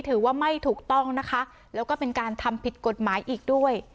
ถือว่าไม่ถูกต้องนะคะแล้วก็เป็นการทำผิดกฎหมายอีกด้วย